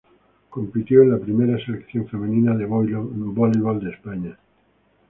Compitió en la primera selección femenina de voleibol de España.